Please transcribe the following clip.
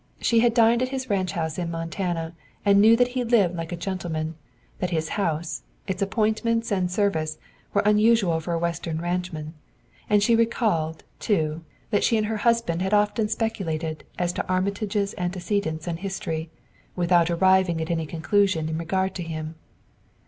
She had dined at his ranch house in Montana and knew that he lived like a gentleman, that his house, its appointments and service were unusual for a western ranchman. And she recalled, too, that she and her husband had often speculated as to Armitage's antecedents and history, without arriving at any conclusion in regard to him.